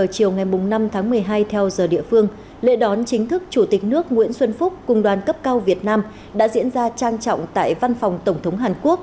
chiều ngày năm tháng một mươi hai theo giờ địa phương lễ đón chính thức chủ tịch nước nguyễn xuân phúc cùng đoàn cấp cao việt nam đã diễn ra trang trọng tại văn phòng tổng thống hàn quốc